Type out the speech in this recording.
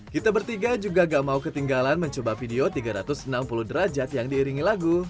kita bertiga juga gak mau ketinggalan mencoba video tiga ratus enam puluh derajat yang diiringi lagu